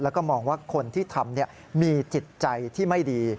แล้วก็มองว่าคนที่ทำมีจิตใจที่ไม่ดี